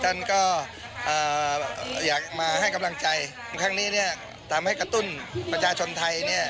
ท่านก็อยากมาให้กำลังใจครั้งนี้เนี่ยทำให้กระตุ้นประชาชนไทยเนี่ย